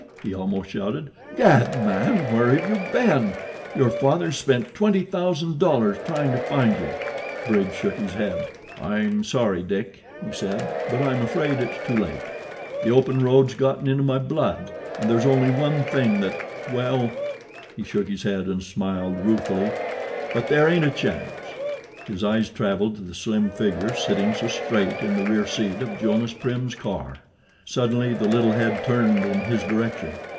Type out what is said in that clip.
he almost shouted. "Gad, man! where have you been? Your father's spent twenty thousand dollars trying to find you." Bridge shook his head. "I'm sorry, Dick," he said, "but I'm afraid it's too late. The open road's gotten into my blood, and there's only one thing that well " he shook his head and smiled ruefully "but there ain't a chance." His eyes travelled to the slim figure sitting so straight in the rear seat of Jonas Prim's car. Suddenly the little head turned in his direction.